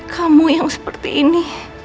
kamu yang seperti ini